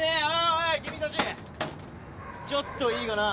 おい君たちちょっといいかな？